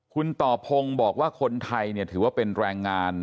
คุณต่อพงศ์บอกว่าคนไทยถือว่าเป็นแรงงาน